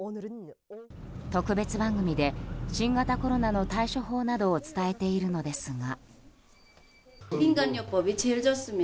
特別番組で新型コロナの対処法などを伝えているのですが。